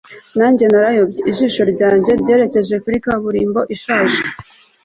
nanjye narayobye, ijisho ryanjye ryerekeje kuri kaburimbo ishaje